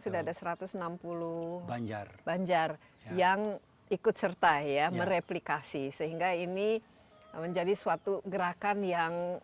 sudah ada satu ratus enam puluh banjar banjar yang ikut serta ya mereplikasi sehingga ini menjadi suatu gerakan yang